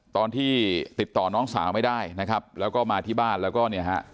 ตอนที่ติดต่อน้องสาวไม่ได้นะครับแล้วก็มาที่บ้านแล้วก็เนี่ยฮะ